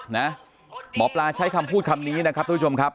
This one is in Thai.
หมอปลาใช้คำพูดคำนี้นะครับทุกผู้ชมครับ